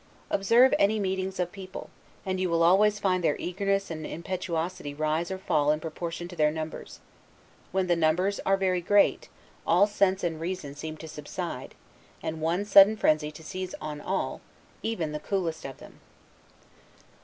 Observe any meetings of people, and you will always find their eagerness and impetuosity rise or fall in proportion to their numbers: when the numbers are very great, all sense and reason seem to subside, and one sudden frenzy to seize on all, even the coolest of them.